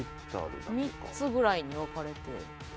３つぐらいに分かれてて。